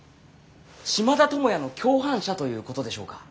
島田友也の共犯者ということでしょうか？